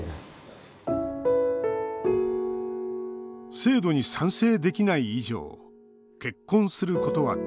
制度に賛成できない以上結婚することはできない。